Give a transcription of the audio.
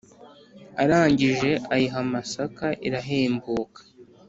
arangije ayiha amasaka irahembuka.